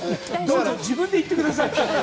自分で行ってください。